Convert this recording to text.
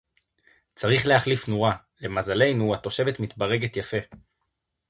צריך להחליף נורה. למזלנו התושבת מתברגת יפה